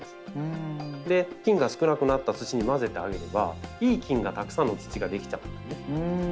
菌が少なくなった土に混ぜてあげればいい菌がたくさんの土が出来ちゃうんですね。